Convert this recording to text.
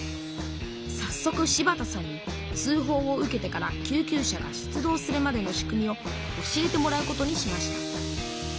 さっそく柴田さんに通ほうを受けてから救急車が出動するまでの仕組みを教えてもらうことにしました